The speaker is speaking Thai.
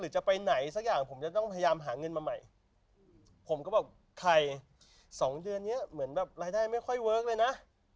จะไปไหนสักอย่างผมจะต้องพยายามหาเงินมาใหม่ผมก็บอกใครสองเดือนเนี้ยเหมือนแบบรายได้ไม่ค่อยเวิร์คเลยนะ